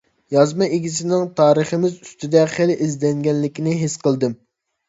يازما ئىگىسىنىڭ تارىخىمىز ئۈستىدە خېلى ئىزدەنگەنلىكىنى ھېس قىلدىم.